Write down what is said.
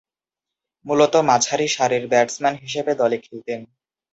মূলতঃ মাঝারিসারির ব্যাটসম্যান হিসেবে দলে খেলতেন।